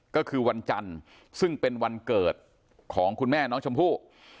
ก็คือวันจันทร์ซึ่งเป็นวันเกิดของคุณแม่น้องชมพู่